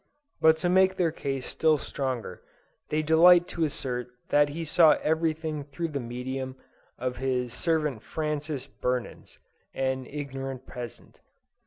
But to make their case still stronger, they delight to assert that he saw every thing through the medium of his servant Francis Burnens, an ignorant peasant.